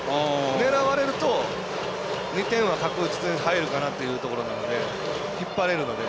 狙われると２点は確実に入るかなというところなので引っ張れるので。